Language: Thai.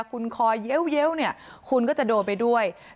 คุณคอยเย้วเนี่ยคุณก็จะโดนไปด้วย